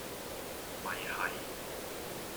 咪係